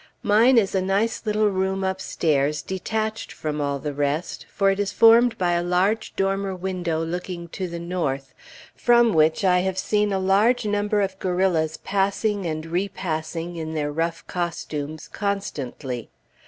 Mine is a nice little room upstairs, detached from all the rest, for it is formed by a large dormer window looking to the north, from which I have seen a large number of guerrillas passing and repassing in their rough costumes, constantly.